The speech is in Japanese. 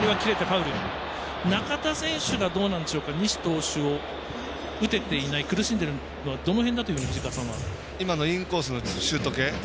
中田選手が西投手を打てていない、苦しんでいるのはどの辺だというふうに藤川さんは？インコースのシュート系。